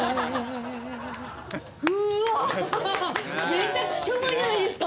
めちゃくちゃうまいじゃないですか。